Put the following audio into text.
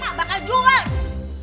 kagak berangkat berangkat lu